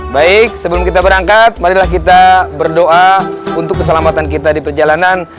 baik sebelum kita berangkat marilah kita berdoa untuk keselamatan kita di perjalanan